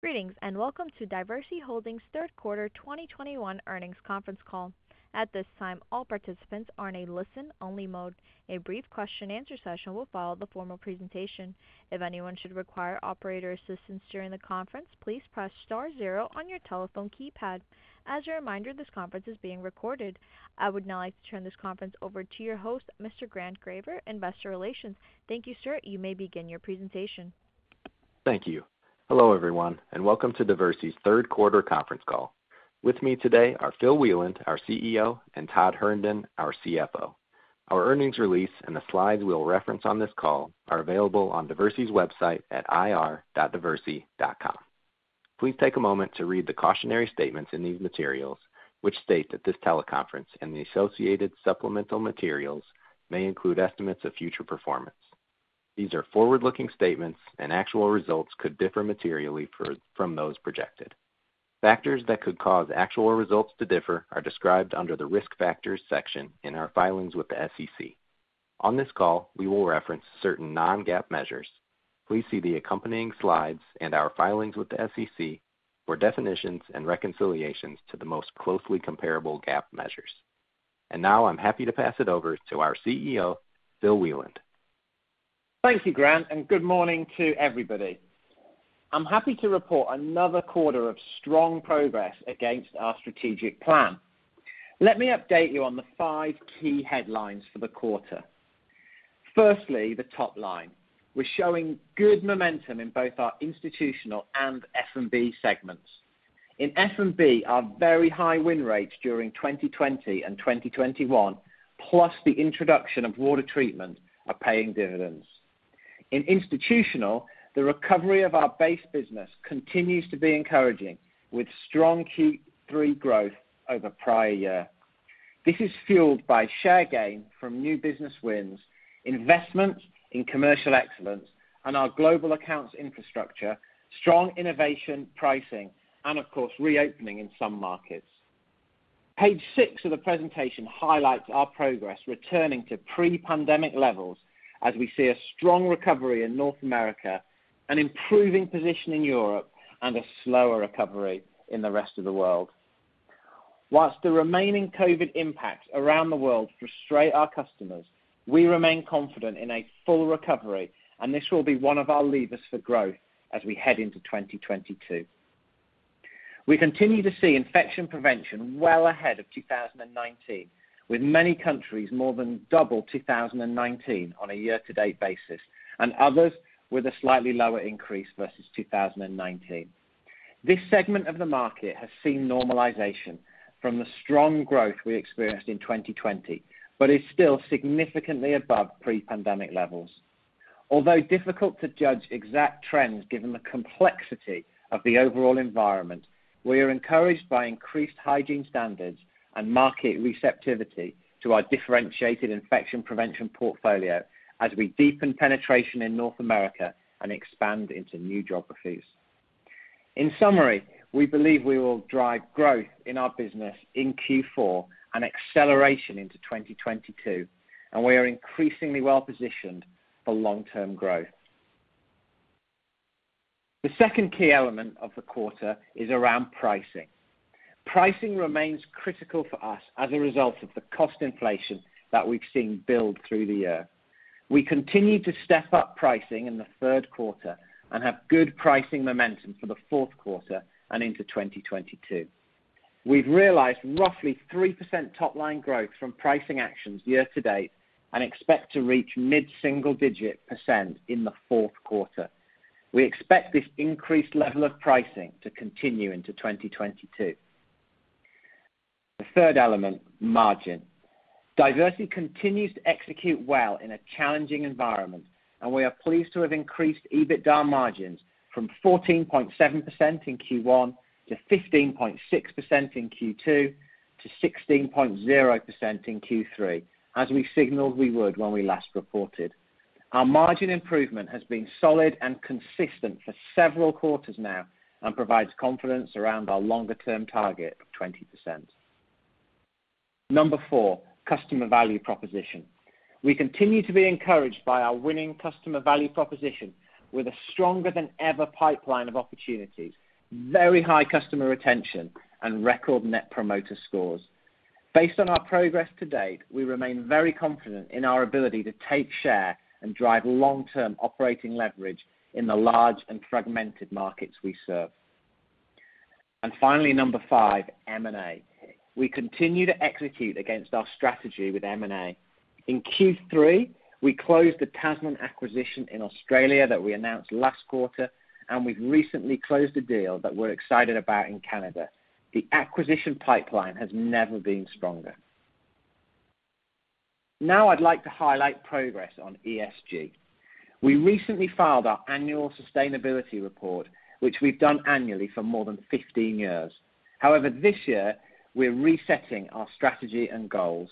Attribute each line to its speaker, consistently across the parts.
Speaker 1: Greetings, and welcome to Diversey Holdings third quarter 2021 earnings conference call. At this time, all participants are in a listen-only mode. A brief question answer session will follow the formal presentation. If anyone should require operator assistance during the conference, please press star zero on your telephone keypad. As a reminder, this conference is being recorded. I would now like to turn this conference over to your host, Mr. Grant Graver, Investor Relations. Thank you, sir. You may begin your presentation.
Speaker 2: Thank you. Hello, everyone, and welcome to Diversey's third quarter conference call. With me today are Phil Wieland, our CEO, and Todd Herndon, our CFO. Our earnings release and the slides we'll reference on this call are available on Diversey's website at ir.diversey.com. Please take a moment to read the cautionary statements in these materials, which state that this teleconference and the associated supplemental materials may include estimates of future performance. These are forward-looking statements and actual results could differ materially from those projected. Factors that could cause actual results to differ are described under the Risk Factors section in our filings with the SEC. On this call, we will reference certain non-GAAP measures. Please see the accompanying slides and our filings with the SEC for definitions and reconciliations to the most closely comparable GAAP measures. Now I'm happy to pass it over to our CEO, Phil Wieland.
Speaker 3: Thank you, Grant, and good morning to everybody. I'm happy to report another quarter of strong progress against our strategic plan. Let me update you on the five key headlines for the quarter. Firstly, the top line. We're showing good momentum in both our institutional and F&B segments. In F&B, our very high win rates during 2020 and 2021, plus the introduction of water treatment, are paying dividends. In institutional, the recovery of our base business continues to be encouraging, with strong Q3 growth over prior year. This is fueled by share gain from new business wins, investment in commercial excellence and our global accounts infrastructure, strong innovation pricing, and of course, reopening in some markets. Page 6 of the presentation highlights our progress returning to pre-pandemic levels as we see a strong recovery in North America, an improving position in Europe, and a slower recovery in the rest of the world. While the remaining COVID impacts around the world frustrate our customers, we remain confident in a full recovery, and this will be one of our levers for growth as we head into 2022. We continue to see infection prevention well ahead of 2019, with many countries more than double 2019 on a year-to-date basis, and others with a slightly lower increase versus 2019. This segment of the market has seen normalization from the strong growth we experienced in 2020, but is still significantly above pre-pandemic levels. Although difficult to judge exact trends given the complexity of the overall environment, we are encouraged by increased hygiene standards and market receptivity to our differentiated infection prevention portfolio as we deepen penetration in North America and expand into new geographies. In summary, we believe we will drive growth in our business in Q4 and acceleration into 2022, and we are increasingly well-positioned for long-term growth. The second key element of the quarter is around pricing. Pricing remains critical for us as a result of the cost inflation that we've seen build through the year. We continue to step up pricing in the third quarter and have good pricing momentum for the fourth quarter and into 2022. We've realized roughly 3% top line growth from pricing actions year to date and expect to reach mid-single-digit % in the fourth quarter. We expect this increased level of pricing to continue into 2022. The third element, margin. Diversey continues to execute well in a challenging environment, and we are pleased to have increased EBITDA margins from 14.7% in Q1 to 15.6% in Q2 to 16.0% in Q3, as we signaled we would when we last reported. Our margin improvement has been solid and consistent for several quarters now and provides confidence around our longer-term target of 20%. Number four, customer value proposition. We continue to be encouraged by our winning customer value proposition with a stronger than ever pipeline of opportunities, very high customer retention, and record net promoter scores. Based on our progress to date, we remain very confident in our ability to take share and drive long-term operating leverage in the large and fragmented markets we serve. Finally, number five, M&A. We continue to execute against our strategy with M&A. In Q3, we closed the Tasman acquisition in Australia that we announced last quarter, and we've recently closed a deal that we're excited about in Canada. The acquisition pipeline has never been stronger. Now I'd like to highlight progress on ESG. We recently filed our annual sustainability report, which we've done annually for more than 15 years. However, this year, we're resetting our strategy and goals.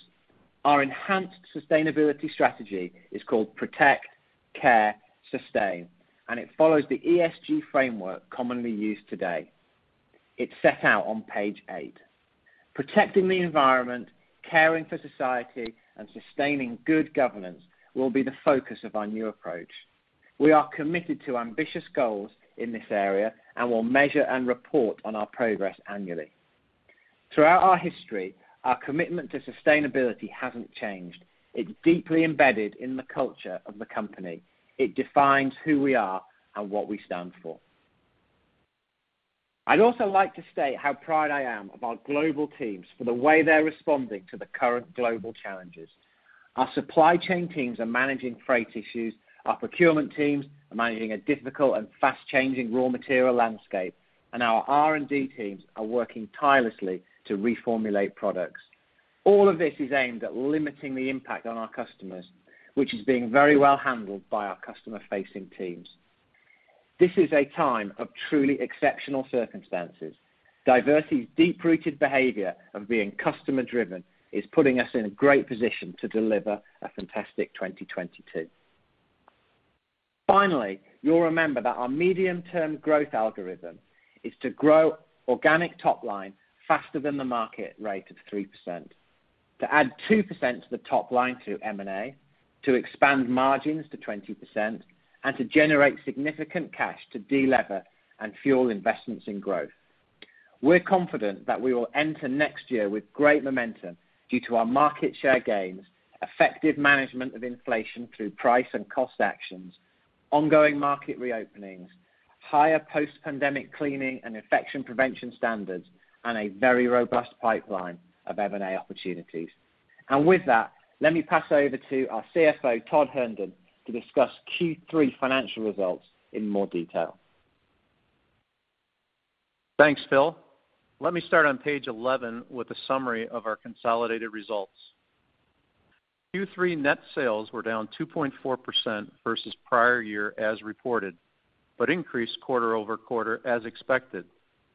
Speaker 3: Our enhanced sustainability strategy is called Protect, Care, Sustain, and it follows the ESG framework commonly used today. It's set out on Page 8. Protecting the environment, caring for society, and sustaining good governance will be the focus of our new approach. We are committed to ambitious goals in this area, and we'll measure and report on our progress annually. Throughout our history, our commitment to sustainability hasn't changed. It's deeply embedded in the culture of the company. It defines who we are and what we stand for. I'd also like to state how proud I am of our global teams for the way they're responding to the current global challenges. Our supply chain teams are managing freight issues, our procurement teams are managing a difficult and fast-changing raw material landscape, and our R&D teams are working tirelessly to reformulate products. All of this is aimed at limiting the impact on our customers, which is being very well handled by our customer-facing teams. This is a time of truly exceptional circumstances. Diversey's deep-rooted behavior of being customer-driven is putting us in a great position to deliver a fantastic 2022. Finally, you'll remember that our medium-term growth algorithm is to grow organic top line faster than the market rate of 3%, to add 2% to the top line through M&A, to expand margins to 20%, and to generate significant cash to delever and fuel investments in growth. We're confident that we will enter next year with great momentum due to our market share gains, effective management of inflation through price and cost actions, ongoing market reopenings, higher post-pandemic cleaning and infection prevention standards, and a very robust pipeline of M&A opportunities. With that, let me pass over to our CFO, Todd Herndon, to discuss Q3 financial results in more detail.
Speaker 4: Thanks, Phil. Let me start on Page 11 with a summary of our consolidated results. Q3 net sales were down 2.4% versus prior year as reported, but increased quarter-over-quarter as expected,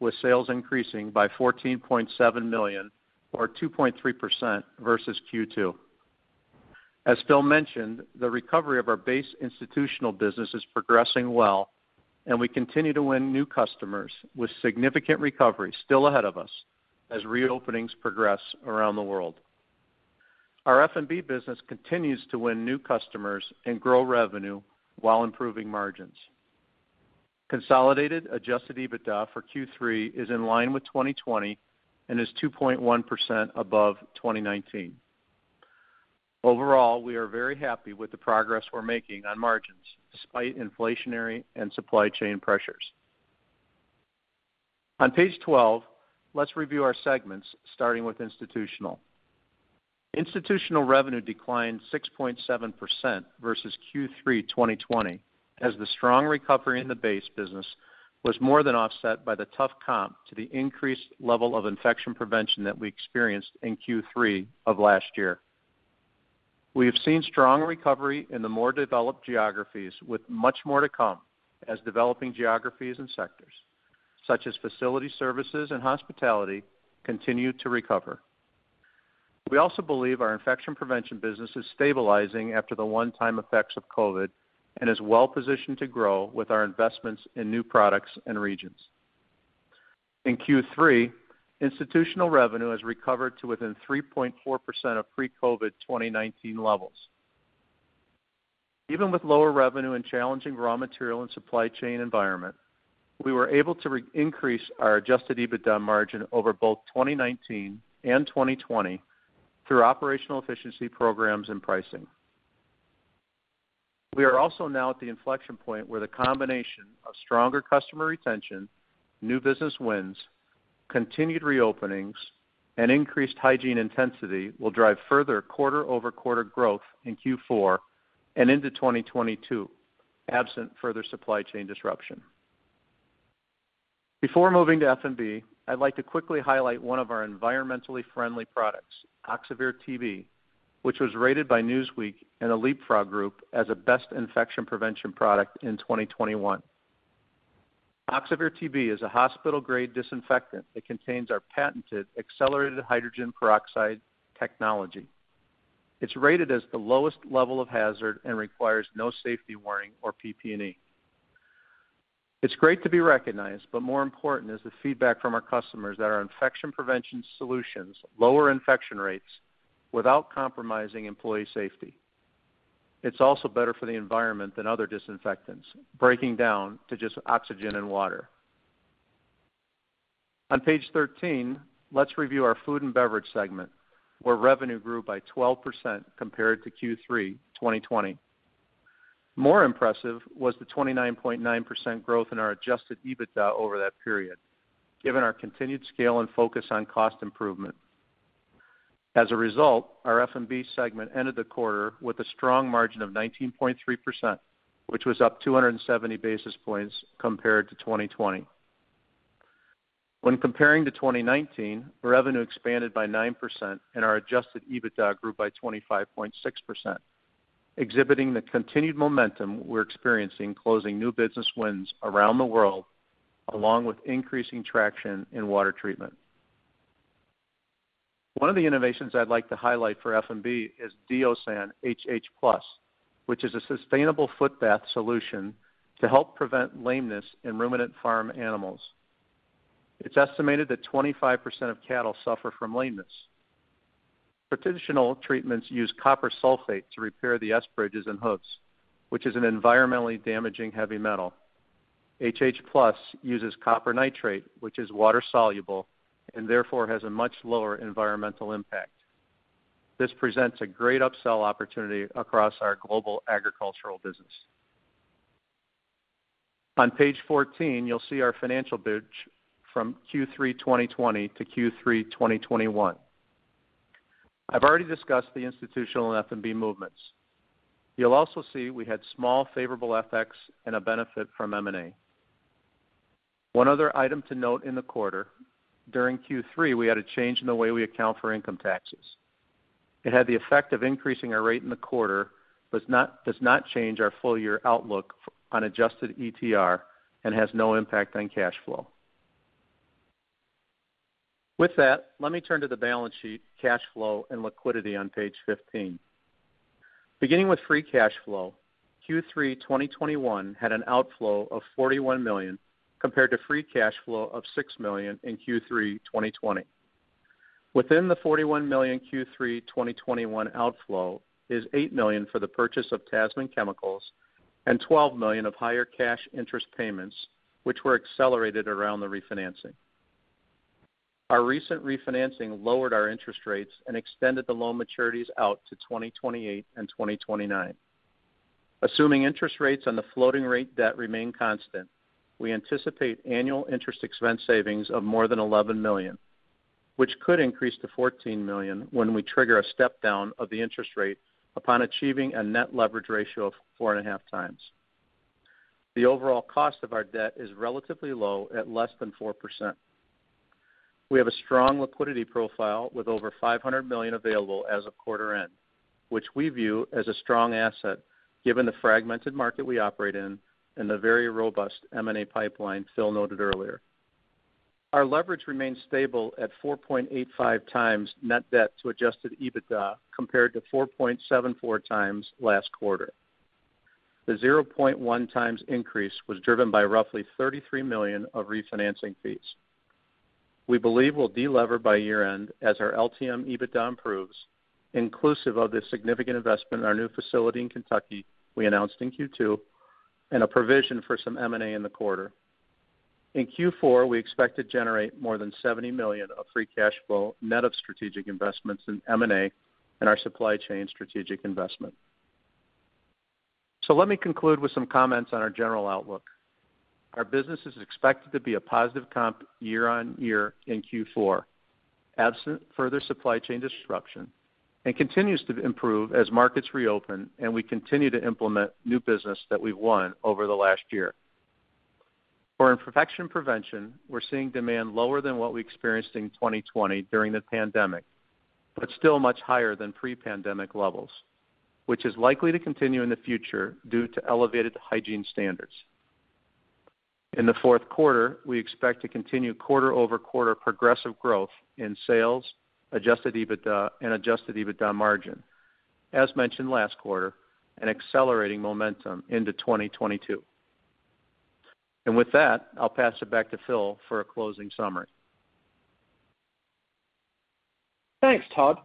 Speaker 4: with sales increasing by $14.7 million or 2.3% versus Q2. As Phil mentioned, the recovery of our base institutional business is progressing well, and we continue to win new customers with significant recovery still ahead of us as reopenings progress around the world. Our F&B business continues to win new customers and grow revenue while improving margins. Consolidated Adjusted EBITDA for Q3 is in line with 2020 and is 2.1% above 2019. Overall, we are very happy with the progress we're making on margins despite inflationary and supply chain pressures. On Page 12, let's review our segments, starting with Institutional. Institutional revenue declined 6.7% versus Q3 2020 as the strong recovery in the base business was more than offset by the tough comp to the increased level of infection prevention that we experienced in Q3 of last year. We have seen strong recovery in the more developed geographies with much more to come as developing geographies and sectors such as facility services and hospitality continue to recover. We also believe our infection prevention business is stabilizing after the one-time effects of COVID and is well-positioned to grow with our investments in new products and regions. In Q3, Institutional revenue has recovered to within 3.4% of pre-COVID 2019 levels. Even with lower revenue and challenging raw material and supply chain environment, we were able to increase our Adjusted EBITDA margin over both 2019 and 2020 through operational efficiency programs and pricing. We are also now at the inflection point where the combination of stronger customer retention, new business wins, continued reopenings, and increased hygiene intensity will drive further quarter-over-quarter growth in Q4 and into 2022, absent further supply chain disruption. Before moving to F&B, I'd like to quickly highlight one of our environmentally friendly products, Oxivir Tb, which was rated by Newsweek and The Leapfrog Group as a best infection prevention product in 2021. Oxivir Tb is a hospital-grade disinfectant that contains our patented accelerated hydrogen peroxide technology. It's rated as the lowest level of hazard and requires no safety warning or PPE. It's great to be recognized, but more important is the feedback from our customers that our infection prevention solutions lower infection rates without compromising employee safety. It's also better for the environment than other disinfectants, breaking down to just oxygen and water. On Page 13, let's review our food and beverage segment, where revenue grew by 12% compared to Q3 2020. More impressive was the 29.9% growth in our Adjusted EBITDA over that period, given our continued scale and focus on cost improvement. As a result, our F&B segment ended the quarter with a strong margin of 19.3%, which was up 270 basis points compared to 2020. When comparing to 2019, revenue expanded by 9% and our Adjusted EBITDA grew by 25.6%, exhibiting the continued momentum we're experiencing closing new business wins around the world, along with increasing traction in water treatment. One of the innovations I'd like to highlight for F&B is Deosan HH+, which is a sustainable footbath solution to help prevent lameness in ruminant farm animals. It's estimated that 25% of cattle suffer from lameness. Traditional treatments use copper sulfate to repair the S bridges and hooves, which is an environmentally damaging heavy metal. HH+ uses copper nitrate, which is water-soluble, and therefore has a much lower environmental impact. This presents a great upsell opportunity across our global agricultural business. On Page 14, you'll see our financial bridge from Q3 2020 to Q3 2021. I've already discussed the institutional and F&B movements. You'll also see we had small favorable FX and a benefit from M&A. One other item to note in the quarter, during Q3, we had a change in the way we account for income taxes. It had the effect of increasing our rate in the quarter, but does not change our full-year outlook on Adjusted ETR and has no impact on cash flow. With that, let me turn to the balance sheet, cash flow, and liquidity on Page 15. Beginning with free cash flow, Q3 2021 had an outflow of $41 million, compared to free cash flow of $6 million in Q3 2020. Within the $41 million Q3 2021 outflow is $8 million for the purchase of Tasman Chemicals and $12 million of higher cash interest payments, which were accelerated around the refinancing. Our recent refinancing lowered our interest rates and extended the loan maturities out to 2028 and 2029. Assuming interest rates on the floating rate debt remain constant, we anticipate annual interest expense savings of more than $11 million, which could increase to $14 million when we trigger a step-down of the interest rate upon achieving a net leverage ratio of 4.5x. The overall cost of our debt is relatively low at less than 4%. We have a strong liquidity profile with over $500 million available as of quarter end, which we view as a strong asset given the fragmented market we operate in and the very robust M&A pipeline Phil noted earlier. Our leverage remains stable at 4.85x net debt to Adjusted EBITDA compared to 4.74x last quarter. The 0.1x increase was driven by roughly $33 million of refinancing fees. We believe we'll delever by year-end as our LTM EBITDA improves, inclusive of the significant investment in our new facility in Kentucky we announced in Q2, and a provision for some M&A in the quarter. In Q4, we expect to generate more than $70 million of free cash flow net of strategic investments in M&A and our supply chain strategic investment. Let me conclude with some comments on our general outlook. Our business is expected to be a positive comp year-over-year in Q4, absent further supply chain disruption, and continues to improve as markets reopen, and we continue to implement new business that we've won over the last year. For infection prevention, we're seeing demand lower than what we experienced in 2020 during the pandemic, but still much higher than pre-pandemic levels, which is likely to continue in the future due to elevated hygiene standards. In the fourth quarter, we expect to continue quarter-over-quarter progressive growth in sales, Adjusted EBITDA, and Adjusted EBITDA margin, as mentioned last quarter, and accelerating momentum into 2022. With that, I'll pass it back to Phil for a closing summary.
Speaker 3: Thanks, Todd.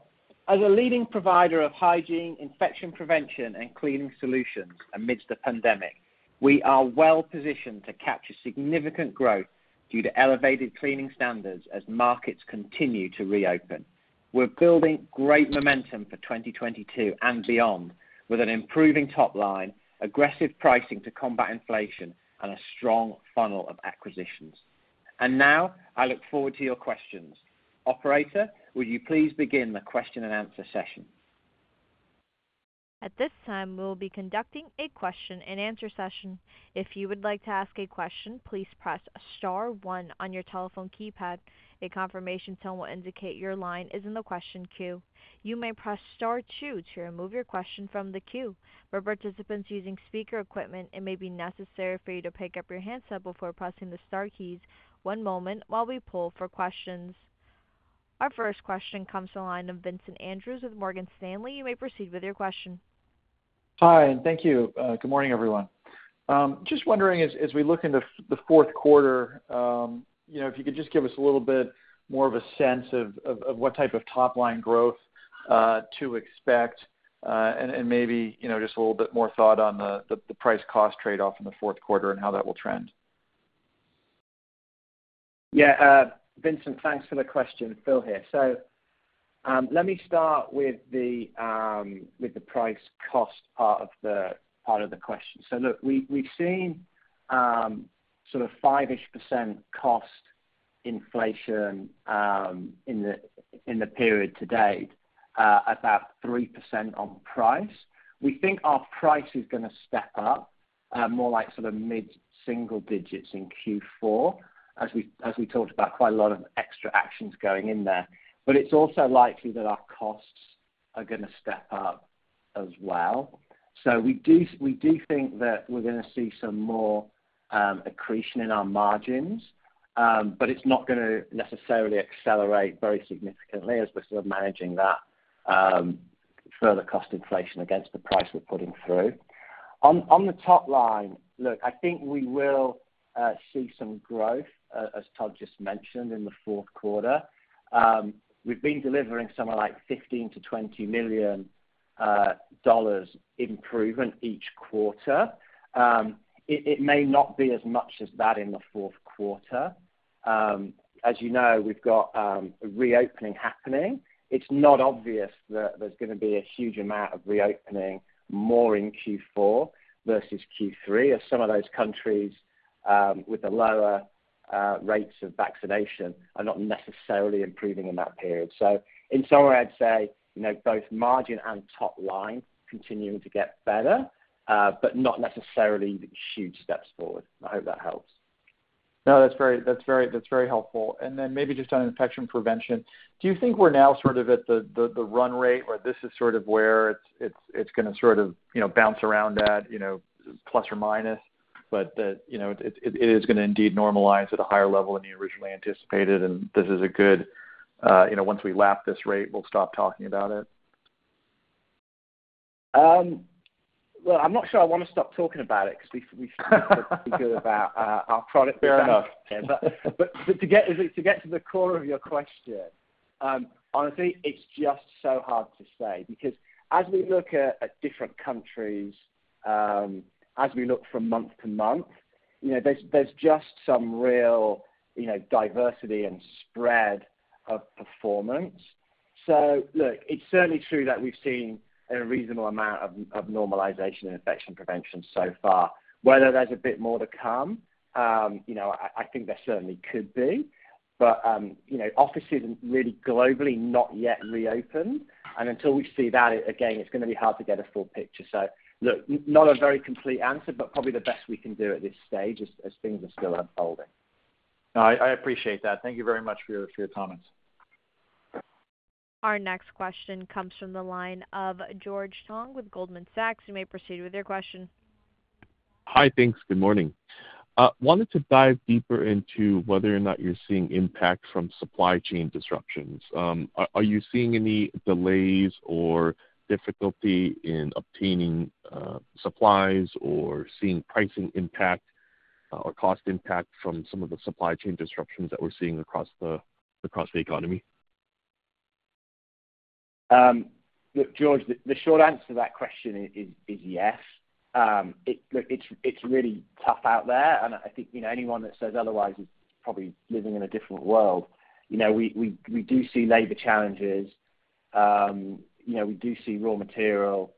Speaker 3: As a leading provider of hygiene, infection prevention, and cleaning solutions amidst the pandemic, we are well-positioned to capture significant growth due to elevated cleaning standards as markets continue to reopen. We're building great momentum for 2022 and beyond, with an improving top line, aggressive pricing to combat inflation, and a strong funnel of acquisitions. Now, I look forward to your questions. Operator, would you please begin the question-and-answer session?
Speaker 1: At this time, we will be conducting a question-and-answer session. If you would like to ask a question, please press star one on your telephone keypad. A confirmation tone will indicate your line is in the question queue. You may press star two to remove your question from the queue. For participants using speaker equipment, it may be necessary for you to pick up your handset before pressing the star keys. One moment while we pull for questions. Our first question comes from the line of Vincent Andrews with Morgan Stanley. You may proceed with your question.
Speaker 5: Hi, and thank you. Good morning, everyone. Just wondering as we look into the fourth quarter, you know, if you could just give us a little bit more of a sense of what type of top-line growth to expect, and maybe, you know, just a little bit more thought on the price cost trade-off in the fourth quarter and how that will trend.
Speaker 3: Yeah. Vincent, thanks for the question. Phil here. Let me start with the price cost part of the question. Look, we've seen sort of 5-ish% cost inflation in the period to date, about 3% on price. We think our price is gonna step up more like sort of mid-single digits in Q4 as we talked about quite a lot of extra actions going in there. But it's also likely that our costs are gonna step up as well. We do think that we're gonna see some more accretion in our margins, but it's not gonna necessarily accelerate very significantly as we're sort of managing that further cost inflation against the price we're putting through. On the top line, look, I think we will see some growth, as Todd just mentioned, in the fourth quarter. We've been delivering somewhere like $15 million-$20 million improvement each quarter. It may not be as much as that in the fourth quarter. As you know, we've got a reopening happening. It's not obvious that there's gonna be a huge amount of reopening more in Q4 versus Q3, as some of those countries with the lower rates of vaccination are not necessarily improving in that period. In summary, I'd say, you know, both margin and top line continuing to get better, but not necessarily the huge steps forward. I hope that helps.
Speaker 5: No, that's very helpful. Then maybe just on infection prevention. Do you think we're now sort of at the run rate where this is sort of where it's gonna sort of, you know, bounce around at, you know, plus or minus, but that, you know, it is gonna indeed normalize at a higher level than you originally anticipated, and this is a good, you know, once we lap this rate, we'll stop talking about it?
Speaker 3: Well, I'm not sure I wanna stop talking about it 'cause we feel pretty good about our product.
Speaker 5: Fair enough.
Speaker 3: To get to the core of your question, honestly, it's just so hard to say because as we look at different countries, as we look from month-to-month, you know, there's just some real, you know, diversity and spread of performance. Look, it's certainly true that we've seen a reasonable amount of normalization in infection prevention so far. Whether there's a bit more to come, you know, I think there certainly could be. You know, offices really globally not yet reopened. Until we see that, again, it's gonna be hard to get a full picture. Look, not a very complete answer, but probably the best we can do at this stage as things are still unfolding.
Speaker 5: No, I appreciate that. Thank you very much for your comments.
Speaker 1: Our next question comes from the line of George Tong with Goldman Sachs. You may proceed with your question.
Speaker 6: Hi. Thanks. Good morning. Wanted to dive deeper into whether or not you're seeing impact from supply chain disruptions. Are you seeing any delays or difficulty in obtaining supplies or seeing pricing impact or cost impact from some of the supply chain disruptions that we're seeing across the economy?
Speaker 3: Look, George, the short answer to that question is yes. Look, it's really tough out there, and I think, you know, anyone that says otherwise is probably living in a different world. You know, we do see labor challenges. You know, we do see raw material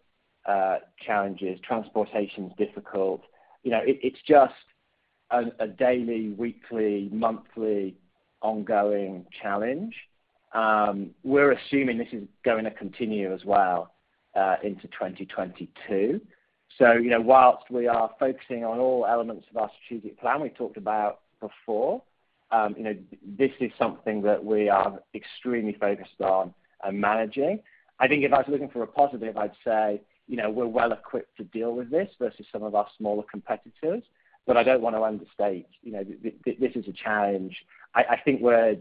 Speaker 3: challenges. Transportation's difficult. You know, it's just a daily, weekly, monthly ongoing challenge. We're assuming this is going to continue as well into 2022. You know, while we are focusing on all elements of our strategic plan we talked about before, you know, this is something that we are extremely focused on and managing. I think if I was looking for a positive, I'd say, you know, we're well equipped to deal with this versus some of our smaller competitors. I don't wanna understate, you know, this is a challenge. I think we're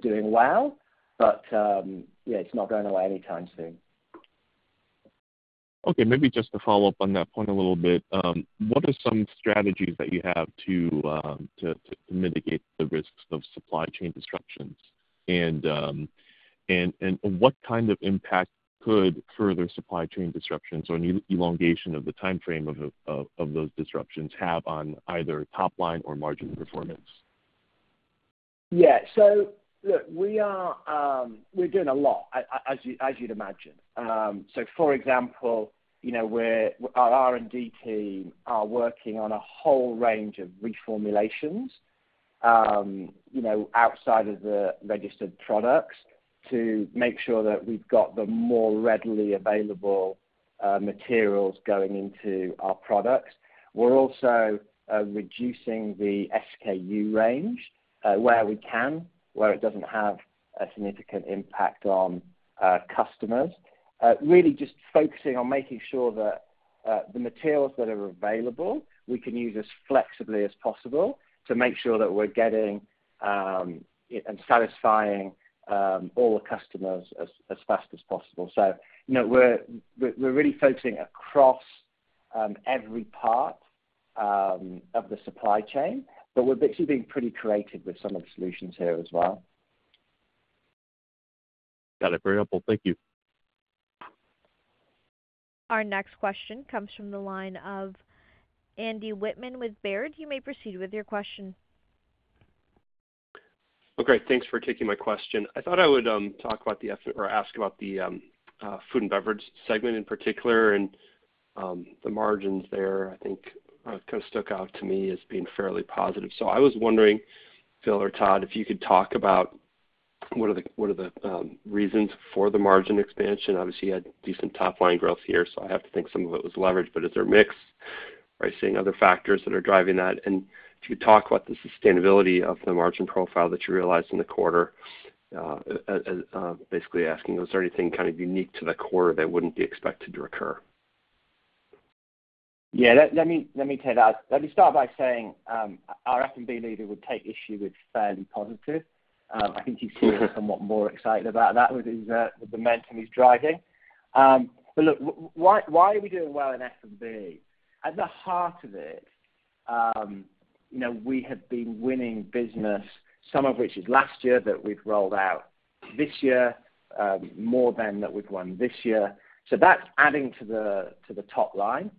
Speaker 3: doing well, but yeah, it's not going away anytime soon.
Speaker 6: Okay. Maybe just to follow up on that point a little bit. What are some strategies that you have to mitigate the risks of supply chain disruptions? What kind of impact could further supply chain disruptions or an elongation of the timeframe of those disruptions have on either top line or margin performance?
Speaker 3: Yeah. Look, we're doing a lot, as you'd imagine. For example, you know, our R&D team are working on a whole range of reformulations, you know, outside of the registered products to make sure that we've got the more readily available materials going into our products. We're also reducing the SKU range, where we can, where it doesn't have a significant impact on our customers. Really just focusing on making sure that the materials that are available we can use as flexibly as possible to make sure that we're getting and satisfying all the customers as fast as possible. You know, we're really focusing across every part of the supply chain, but we're basically being pretty creative with some of the solutions here as well.
Speaker 6: Got it. Very helpful. Thank you.
Speaker 1: Our next question comes from the line of Andy Wittmann with Baird. You may proceed with your question.
Speaker 7: Oh, great. Thanks for taking my question. I thought I would talk about or ask about the Food and Beverage segment in particular and the margins there. I think kind of stuck out to me as being fairly positive. I was wondering, Phil or Todd, if you could talk about what are the reasons for the margin expansion. Obviously, you had decent top line growth here, so I have to think some of it was leverage. But is there mix Are you seeing other factors that are driving that? If you talk about the sustainability of the margin profile that you realized in the quarter, basically asking, was there anything kind of unique to the quarter that wouldn't be expected to recur?
Speaker 3: Yeah, let me take that. Let me start by saying, our F&B leader would take issue with fairly positive. I think he's somewhat more excited about that with his, the momentum he's driving. Look, why are we doing well in F&B? At the heart of it, you know, we have been winning business, some of which is last year that we've rolled out this year, more than that we've won this year. That's adding to the top line,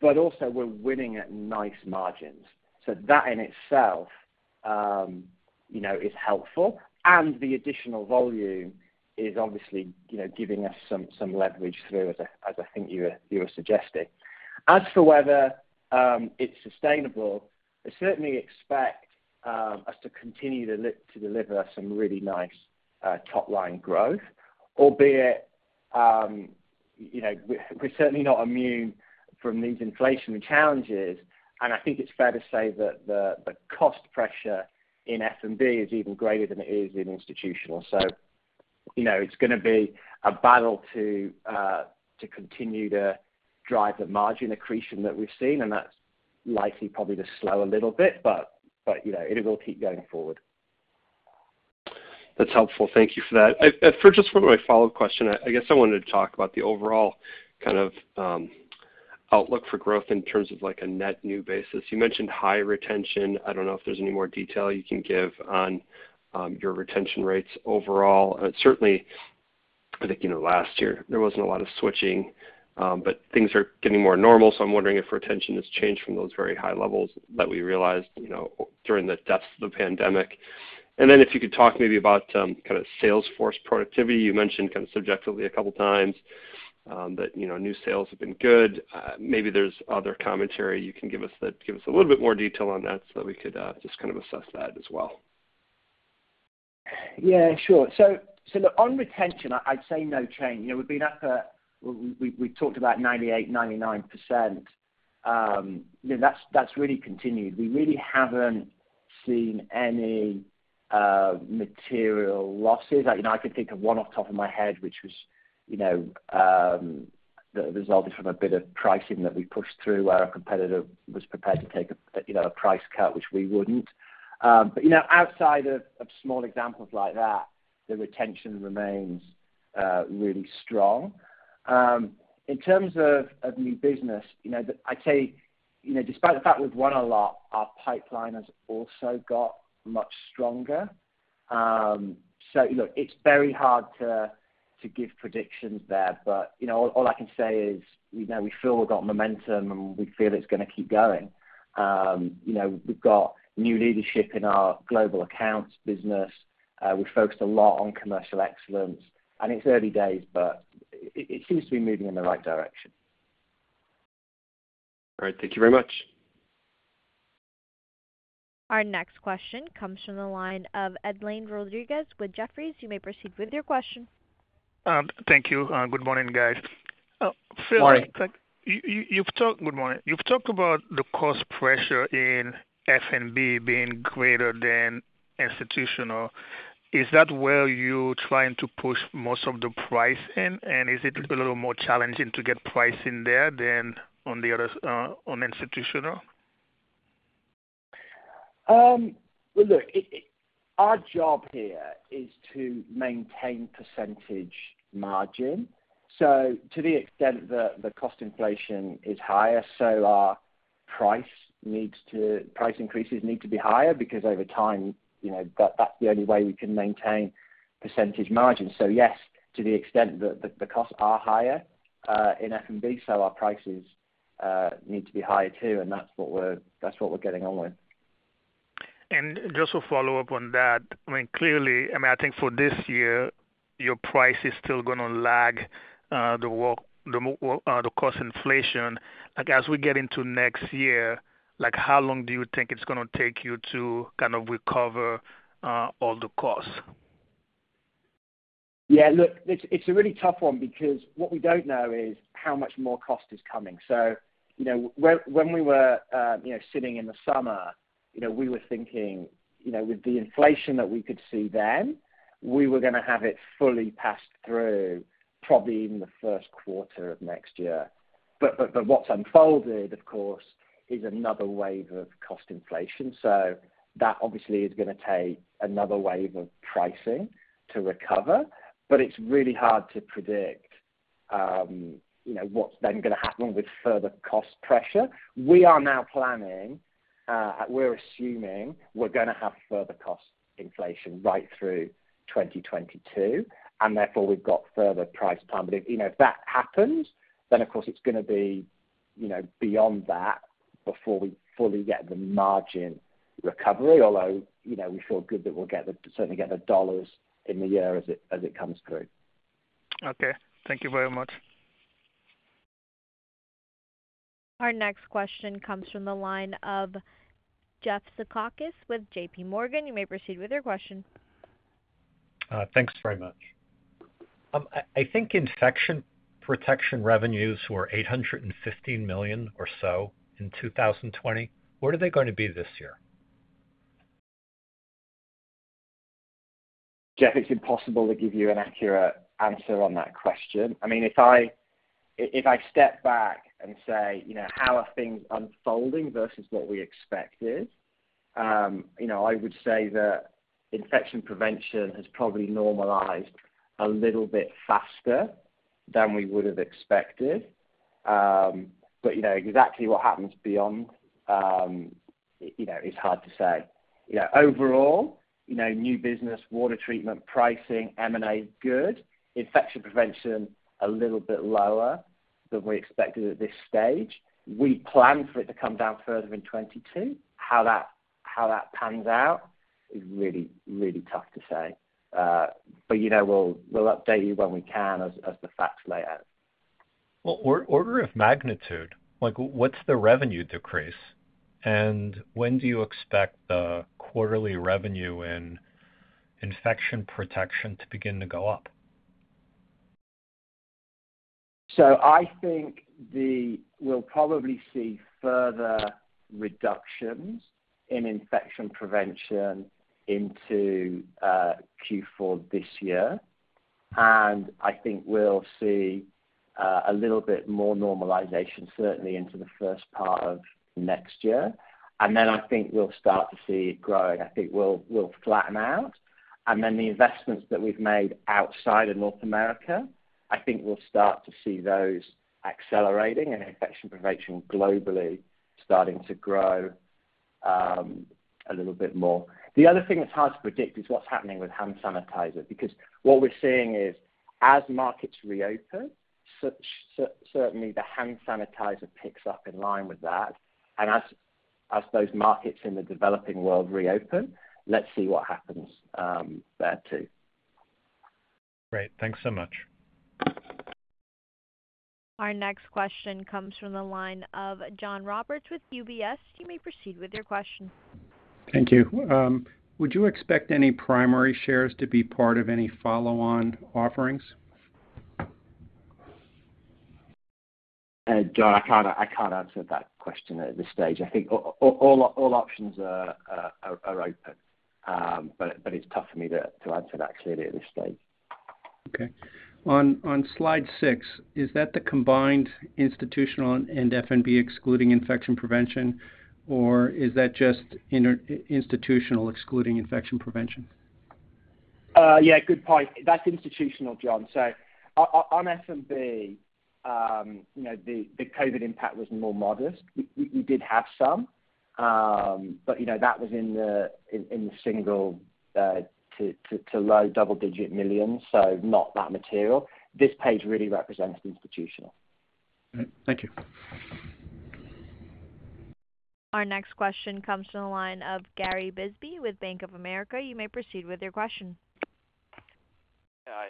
Speaker 3: but also we're winning at nice margins. That in itself, you know, is helpful, and the additional volume is obviously, you know, giving us some leverage through, as I think you were suggesting. As to whether it's sustainable, I certainly expect us to continue to deliver some really nice top line growth, albeit, you know, we're certainly not immune from these inflationary challenges, and I think it's fair to say that the cost pressure in F&B is even greater than it is in institutional. You know, it's gonna be a battle to continue to drive the margin accretion that we've seen, and that's likely probably to slow a little bit, but you know, it will keep going forward.
Speaker 7: That's helpful. Thank you for that. For just one of my follow-up question, I guess I wanted to talk about the overall kind of outlook for growth in terms of like a net new basis. You mentioned high retention. I don't know if there's any more detail you can give on your retention rates overall. Certainly, I think, you know, last year, there wasn't a lot of switching, but things are getting more normal, so I'm wondering if retention has changed from those very high levels that we realized, you know, during the depths of the pandemic. If you could talk maybe about kinda sales force productivity. You mentioned kind of subjectively a couple of times that, you know, new sales have been good. Maybe there's other commentary you can give us that give us a little bit more detail on that so we could just kind of assess that as well.
Speaker 3: Yeah, sure. Look, on retention, I'd say no change. You know, we've been up at. We talked about 98%-99%. You know, that's really continued. We really haven't seen any material losses. You know, I can think of one off the top of my head, which was, you know, resulted from a bit of pricing that we pushed through where a competitor was prepared to take a, you know, a price cut, which we wouldn't. You know, outside of small examples like that, the retention remains really strong. In terms of new business, you know, I'd say, you know, despite the fact we've won a lot, our pipeline has also got much stronger. Look, it's very hard to give predictions there, but you know, all I can say is, you know, we feel we've got momentum, and we feel it's gonna keep going. You know, we've got new leadership in our global accounts business. We've focused a lot on commercial excellence, and it's early days, but it seems to be moving in the right direction.
Speaker 7: All right. Thank you very much.
Speaker 1: Our next question comes from the line of Edlain Rodriguez with Jefferies. You may proceed with your question.
Speaker 8: Thank you. Good morning, guys.
Speaker 3: Good morning.
Speaker 8: Oh, quickly. Good morning. You've talked about the cost pressure in F&B being greater than institutional. Is that where you're trying to push most of the price in, and is it a little more challenging to get pricing there than on the other, on institutional?
Speaker 3: Our job here is to maintain percentage margin. To the extent the cost inflation is higher, our price increases need to be higher because over time, you know, that's the only way we can maintain percentage margin. Yes, to the extent that the costs are higher in F&B, so our prices need to be higher, too, and that's what we're getting on with.
Speaker 8: Just to follow up on that, I mean, clearly, I mean, I think for this year, your price is still gonna lag, the cost inflation. Like, as we get into next year, like, how long do you think it's gonna take you to kind of recover, all the costs?
Speaker 3: Yeah. Look, it's a really tough one because what we don't know is how much more cost is coming. You know, when we were, you know, sitting in the summer, you know, we were thinking, you know, with the inflation that we could see then, we were gonna have it fully passed through probably in the first quarter of next year. What's unfolded, of course, is another wave of cost inflation. That obviously is gonna take another wave of pricing to recover. It's really hard to predict, you know, what's then gonna happen with further cost pressure. We are now planning, we're assuming we're gonna have further cost inflation right through 2022, and therefore, we've got further price planning. If, you know, if that happens, then, of course, it's gonna be, you know, beyond that before we fully get the margin recovery. Although, you know, we feel good that we'll certainly get the dollars in the year as it comes through.
Speaker 8: Okay. Thank you very much.
Speaker 1: Our next question comes from the line of Jeff Zekauskas with J.P. Morgan. You may proceed with your question.
Speaker 9: Thanks very much. I think infection prevention revenues were $815 million or so in 2020. Where are they going to be this year?
Speaker 3: Jeff, it's impossible to give you an accurate answer on that question. I mean, if I step back and say, you know, how are things unfolding versus what we expected, you know, I would say that infection prevention has probably normalized a little bit faster than we would have expected. But you know, exactly what happens beyond, you know, is hard to say. You know, overall, you know, new business, water treatment, pricing, M&A is good. Infection prevention, a little bit lower than we expected at this stage. We plan for it to come down further in 2022. How that pans out is really tough to say. But you know, we'll update you when we can as the facts play out.
Speaker 9: Well, order of magnitude, like what's the revenue decrease? When do you expect the quarterly revenue in infection prevention to begin to go up?
Speaker 3: I think we'll probably see further reductions in infection prevention into Q4 this year. I think we'll see a little bit more normalization certainly into the first part of next year. Then I think we'll start to see it growing. I think we'll flatten out. Then the investments that we've made outside of North America, I think we'll start to see those accelerating and infection prevention globally starting to grow a little bit more. The other thing that's hard to predict is what's happening with hand sanitizer. Because what we're seeing is as markets reopen, certainly the hand sanitizer picks up in line with that. As those markets in the developing world reopen, let's see what happens there too.
Speaker 9: Great. Thanks so much.
Speaker 1: Our next question comes from the line of John Roberts with UBS. You may proceed with your question.
Speaker 10: Thank you. Would you expect any primary shares to be part of any follow-on offerings?
Speaker 3: John, I can't answer that question at this stage. I think all options are open. It's tough for me to answer that clearly at this stage.
Speaker 10: Okay. On Slide 6, is that the combined institutional and F&B excluding infection prevention, or is that just institutional excluding infection prevention?
Speaker 3: Yeah, good point. That's institutional, John. On F&B, you know, the COVID impact was more modest. We did have some, but you know, that was in the single-digit to low double-digit millions, so not that material. This page really represents institutional.
Speaker 10: All right. Thank you.
Speaker 1: Our next question comes from the line of Gary Bisbee with Bank of America. You may proceed with your question.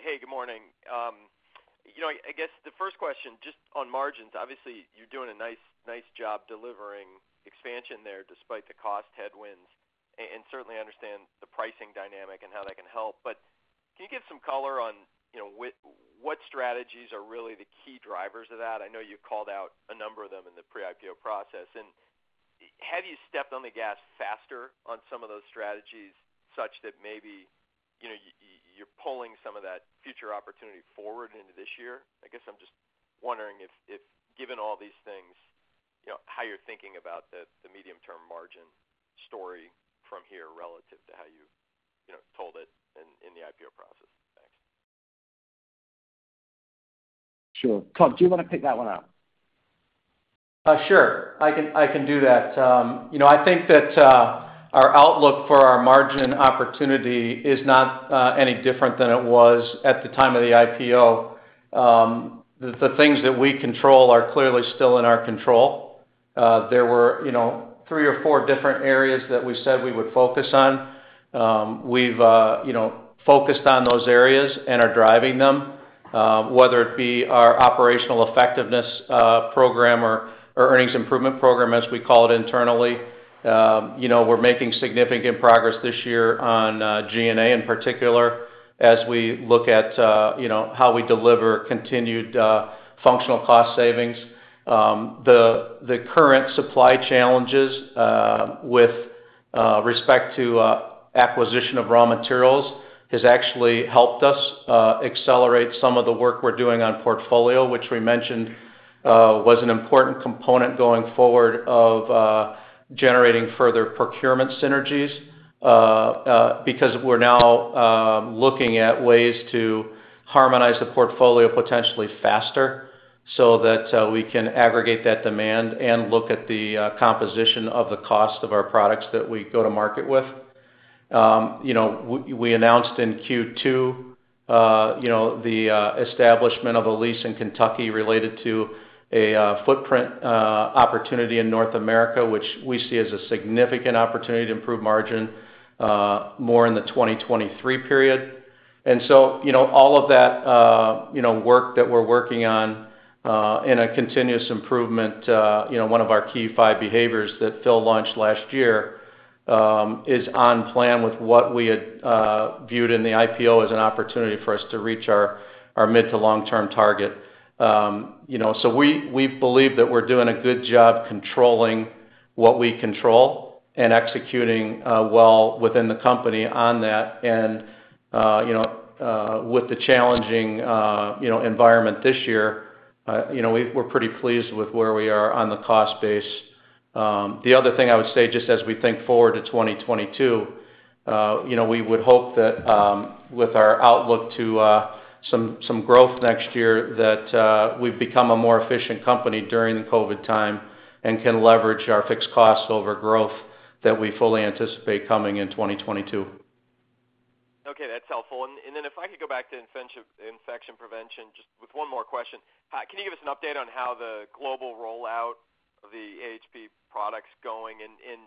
Speaker 11: Hey, good morning. You know, I guess the first question, just on margins, obviously you're doing a nice job delivering expansion there despite the cost headwinds, and certainly understand the pricing dynamic and how that can help. Can you give some color on, you know, what strategies are really the key drivers of that? I know you've called out a number of them in the pre-IPO process. Have you stepped on the gas faster on some of those strategies such that maybe, you know, you're pulling some of that future opportunity forward into this year? I guess I'm just wondering if, given all these things, you know, how you're thinking about the medium-term margin story from here relative to how you know, told it in the IPO process. Thanks.
Speaker 3: Sure. Todd, do you want to pick that one up?
Speaker 4: Sure. I can do that. You know, I think that our outlook for our margin opportunity is not any different than it was at the time of the IPO. The things that we control are clearly still in our control. There were, you know, three or four different areas that we said we would focus on. You know, we've focused on those areas and are driving them, whether it be our operational effectiveness program or earnings improvement program, as we call it internally. You know, we're making significant progress this year on G&A in particular as we look at you know how we deliver continued functional cost savings. The current supply challenges with respect to acquisition of raw materials has actually helped us accelerate some of the work we're doing on portfolio, which we mentioned was an important component going forward of generating further procurement synergies because we're now looking at ways to harmonize the portfolio potentially faster so that we can aggregate that demand and look at the composition of the cost of our products that we go to market with. We announced in Q2 the establishment of a lease in Kentucky related to a footprint opportunity in North America, which we see as a significant opportunity to improve margin more in the 2023 period. You know, all of that, you know, work that we're working on in a continuous improvement, you know, one of our key five behaviors that Phil launched last year, is on plan with what we had viewed in the IPO as an opportunity for us to reach our mid- to long-term target. You know, we believe that we're doing a good job controlling what we control and executing well within the company on that. You know, with the challenging, you know, environment this year, you know, we're pretty pleased with where we are on the cost base. The other thing I would say, just as we think forward to 2022, you know, we would hope that, with our outlook to some growth next year, that we've become a more efficient company during the COVID time and can leverage our fixed costs over growth that we fully anticipate coming in 2022.
Speaker 11: Okay, that's helpful. Then if I could go back to infection prevention, just with one more question. Can you give us an update on how the global rollout of the AHP products going? And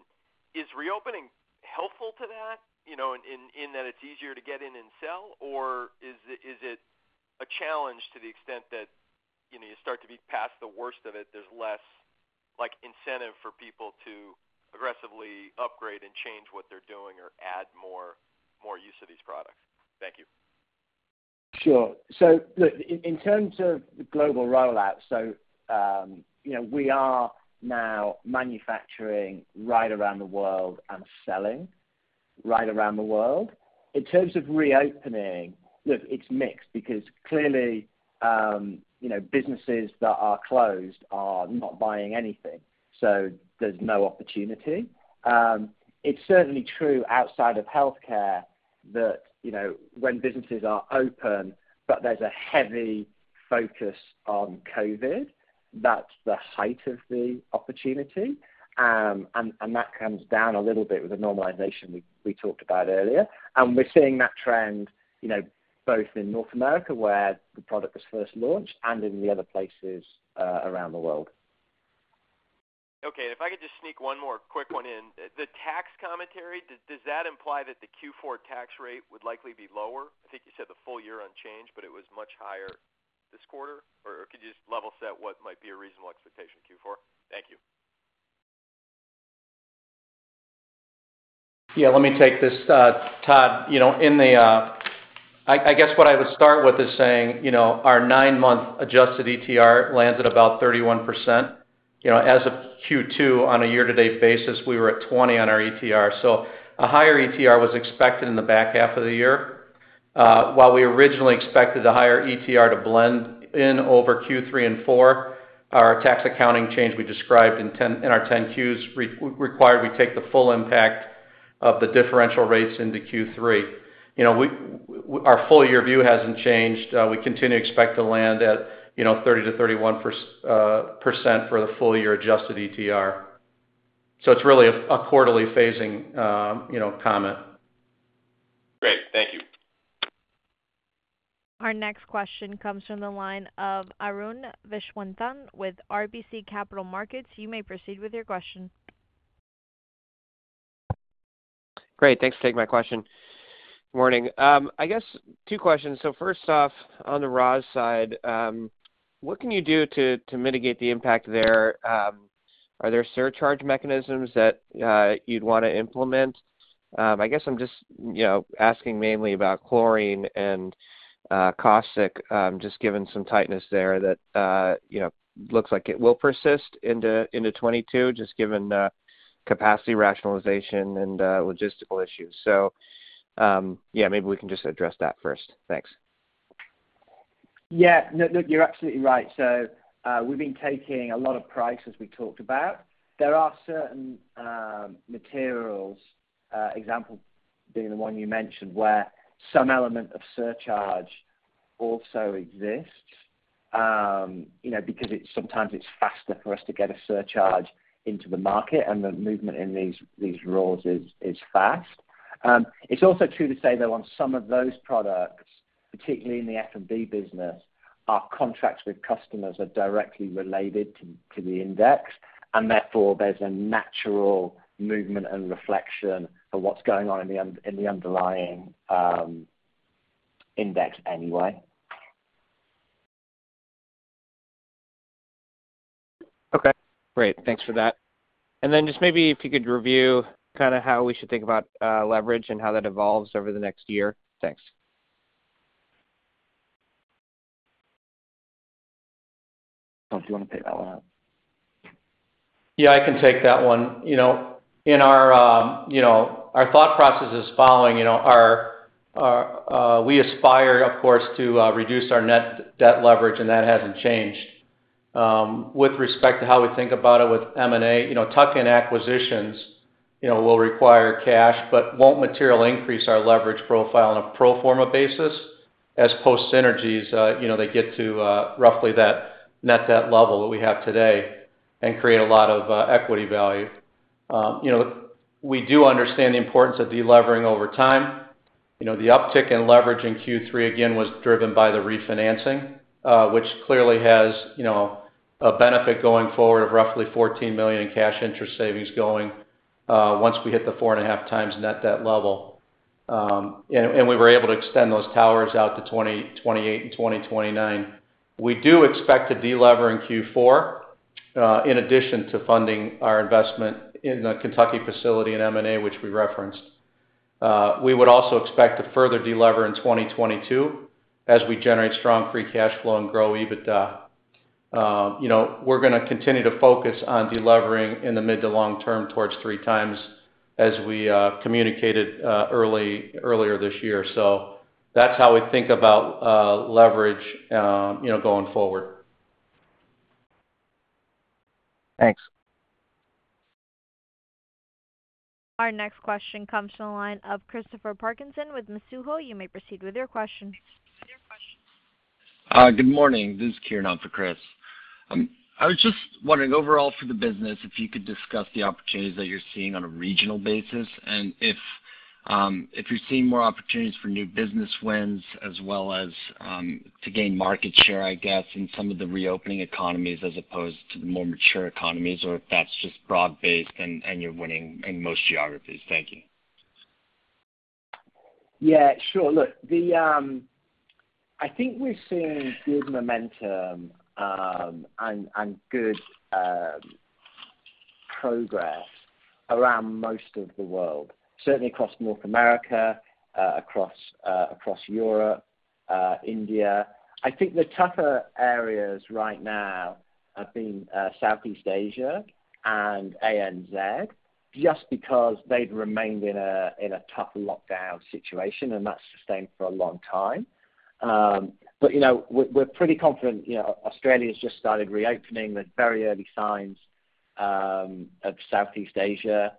Speaker 11: is reopening helpful to that, you know, in that it's easier to get in and sell? Or is it a challenge to the extent that, you know, you start to be past the worst of it, there's less like incentive for people to aggressively upgrade and change what they're doing or add more use of these products? Thank you.
Speaker 3: Sure. Look, in terms of the global rollout, you know, we are now manufacturing right around the world and selling right around the world. In terms of reopening, look, it's mixed because clearly, you know, businesses that are closed are not buying anything, so there's no opportunity. It's certainly true outside of healthcare that, you know, when businesses are open, but there's a heavy focus on COVID, that's the height of the opportunity. That comes down a little bit with the normalization we talked about earlier. We're seeing that trend, you know, both in North America, where the product was first launched, and in the other places around the world.
Speaker 11: Okay. If I could just sneak one more quick one in. The tax commentary, does that imply that the Q4 tax rate would likely be lower? I think you said the full year unchanged, but it was much higher this quarter, or could you just level set what might be a reasonable expectation in Q4? Thank you.
Speaker 4: Yeah, let me take this, Todd. You know, in the, I guess what I would start with is saying, you know, our nine-month Adjusted ETR lands at about 31%. You know, as of Q2 on a year-to-date basis, we were at 20% on our ETR. A higher ETR was expected in the back half of the year. While we originally expected the higher ETR to blend in over Q3 and Q4, our tax accounting change we described in our 10-Q required we take the full impact of the differential rates into Q3. You know, our full year view hasn't changed. We continue to expect to land at, you know, 30%-31% for the full year Adjusted ETR. It's really a quarterly phasing, you know, comment.
Speaker 11: Great. Thank you.
Speaker 1: Our next question comes from the line of Arun Viswanathan with RBC Capital Markets. You may proceed with your question.
Speaker 12: Great. Thanks for taking my question. Morning. I guess two questions. First off, on the raws side, what can you do to mitigate the impact there? Are there surcharge mechanisms that you'd wanna implement? I guess I'm just, you know, asking mainly about chlorine and caustic, just given some tightness there that you know looks like it will persist into 2022, just given the capacity rationalization and logistical issues. Maybe we can just address that first. Thanks.
Speaker 3: Yeah. No, look, you're absolutely right. We've been taking a lot of price, as we talked about. There are certain materials, example being the one you mentioned, where some element of surcharge also exists, you know, because it's sometimes faster for us to get a surcharge into the market, and the movement in these raws is fast. It's also true to say, though, on some of those products, particularly in the F&B business, our contracts with customers are directly related to the index, and therefore there's a natural movement and reflection of what's going on in the underlying index anyway.
Speaker 12: Okay. Great. Thanks for that. Just maybe if you could review kind of how we should think about leverage and how that evolves over the next year. Thanks.
Speaker 3: Don't you wanna take that one?
Speaker 4: Yeah, I can take that one. You know, in our thought process, we aspire, of course, to reduce our net debt leverage, and that hasn't changed. With respect to how we think about it with M&A, you know, tuck-in acquisitions, you know, will require cash, but won't materially increase our leverage profile on a pro forma basis, post synergies, you know, they get to roughly that net debt level that we have today and create a lot of equity value. You know, we do understand the importance of delevering over time. You know, the uptick in leverage in Q3, again, was driven by the refinancing, which clearly has, you know, a benefit going forward of roughly $14 million in cash interest savings going, once we hit the 4.5x net debt level. We were able to extend those towers out to 2028 and 2029. We do expect to delever in Q4 in addition to funding our investment in the Kentucky facility and M&A, which we referenced. We would also expect to further delever in 2022 as we generate strong free cash flow and grow EBITDA. You know, we're gonna continue to focus on delevering in the mid to long term towards 3x as we communicated earlier this year. That's how we think about leverage going forward.
Speaker 12: Thanks.
Speaker 1: Our next question comes from the line of Christopher Parkinson with Mizuho. You may proceed with your question.
Speaker 13: Good morning. This is Kieran on for Chris. I was just wondering, overall for the business, if you could discuss the opportunities that you're seeing on a regional basis and if you're seeing more opportunities for new business wins as well as to gain market share, I guess, in some of the reopening economies as opposed to the more mature economies or if that's just broad based and you're winning in most geographies. Thank you.
Speaker 3: Yeah, sure. Look, I think we're seeing good momentum and good progress around most of the world, certainly across North America, across Europe, India. I think the tougher areas right now have been Southeast Asia and ANZ just because they've remained in a tough lockdown situation, and that's sustained for a long time. You know, we're pretty confident. You know, Australia's just started reopening with very early signs of Southeast Asia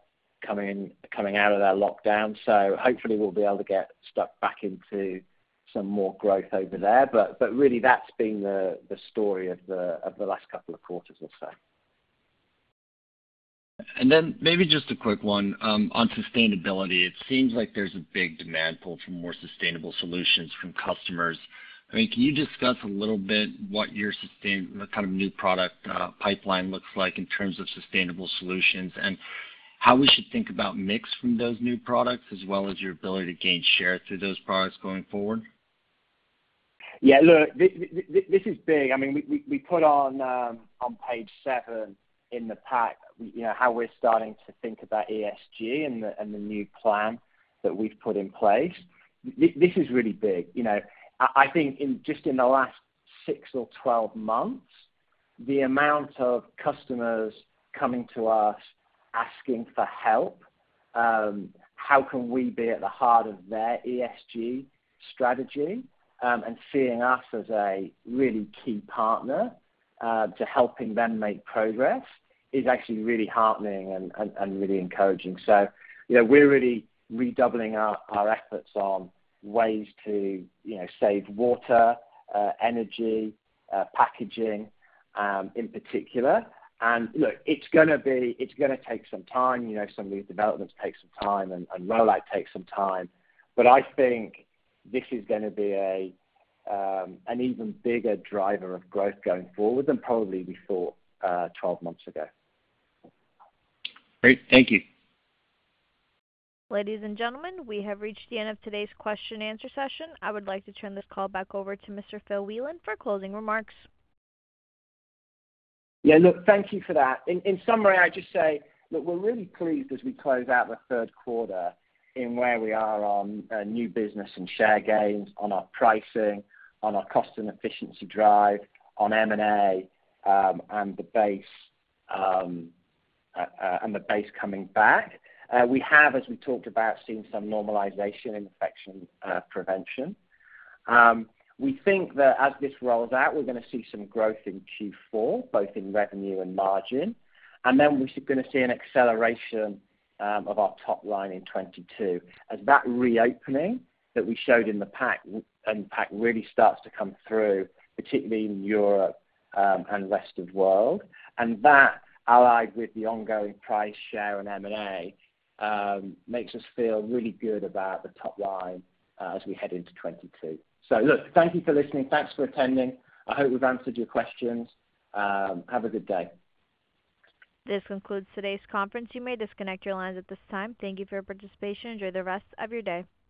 Speaker 3: coming out of their lockdown. Hopefully we'll be able to get stuck back into some more growth over there. Really that's been the story of the last couple of quarters or so.
Speaker 13: Maybe just a quick one on sustainability. It seems like there's a big demand pull for more sustainable solutions from customers. I mean, can you discuss a little bit what kind of new product pipeline looks like in terms of sustainable solutions and how we should think about mix from those new products as well as your ability to gain share through those products going forward?
Speaker 3: Yeah. Look, this is big. I mean, we put on page 7 in the pack, you know, how we're starting to think about ESG and the new plan that we've put in place. This is really big, you know. I think in just the last six or 12 months, the amount of customers coming to us asking for help, how can we be at the heart of their ESG strategy, and seeing us as a really key partner to helping them make progress is actually really heartening and really encouraging. You know, we're really redoubling our efforts on ways to, you know, save water, energy, packaging, in particular. Look, it's gonna take some time. You know, some of these developments take some time and rollout takes some time. I think this is gonna be an even bigger driver of growth going forward than probably we thought 12 months ago.
Speaker 13: Great. Thank you.
Speaker 1: Ladies and gentlemen, we have reached the end of today's question-and-answer session. I would like to turn this call back over to Mr. Phil Wieland for closing remarks.
Speaker 3: Yeah. Look, thank you for that. In summary, I'd just say, look, we're really pleased as we close out the third quarter in where we are on new business and share gains, on our pricing, on our cost and efficiency drive, on M&A, and the base coming back. We have, as we talked about, seen some normalization in infection prevention. We think that as this rolls out, we're gonna see some growth in Q4, both in revenue and margin. Then we're gonna see an acceleration of our top line in 2022 as that reopening that we showed in the pack really starts to come through, particularly in Europe and rest of the world. That allied with the ongoing pricing, share, and M&A makes us feel really good about the top line as we head into 2022. Look, thank you for listening. Thanks for attending. I hope we've answered your questions. Have a good day.
Speaker 1: This concludes today's conference. You may disconnect your lines at this time. Thank you for your participation. Enjoy the rest of your day.